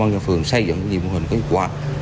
đã xây dựng mô hình có hiệu quả